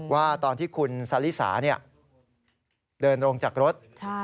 ว่าตอนที่คุณซาลิสาเดินลงจากรถ